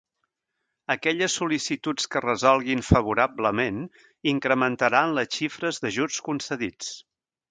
Aquelles sol·licituds que es resolguin favorablement incrementaran les xifres d'ajuts concedits.